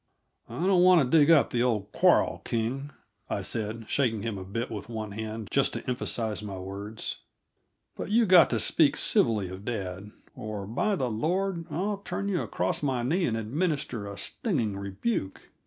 "I don't want to dig up that old quarrel, King," I said, shaking him a bit with one hand, just to emphasize my words, "but you've got to speak civilly of dad, or, by the Lord! I'll turn you across my knee and administer a stinging rebuke."